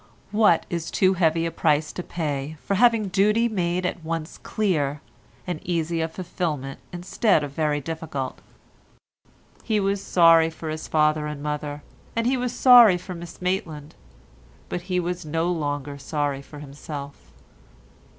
What is too heavy a price to pay for having duty made at once clear and easy of fulfilment instead of very difficult? He was sorry for his father and mother, and he was sorry for Miss Maitland, but he was no longer sorry for himself.